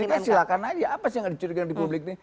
dicurigai silahkan aja apa sih yang ada kecurigaan di publik ini